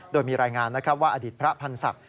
โดยมีรายงานนะครับว่าอดีตพระพันธ์ศักดิ์